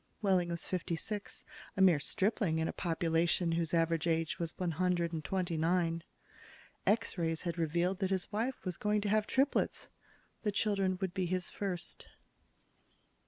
Wehling was fifty six, a mere stripling in a population whose average age was one hundred and twenty nine. X rays had revealed that his wife was going to have triplets. The children would be his first.